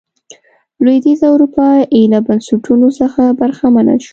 لوېدیځه اروپا ایله بنسټونو څخه برخمنه شوه.